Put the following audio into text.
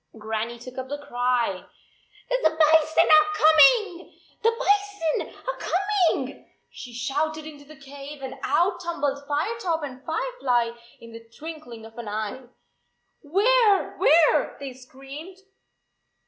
Grannie took up the cry. " The bison are coming, the bison are coming! " she shouted into the cave, and out tumbled Firetop and Firefly in the twinkling of an eye. "Where, where?" they screamed.